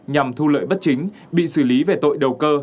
nhằm thu lợi bất chính bị xử lý về tội đầu cơ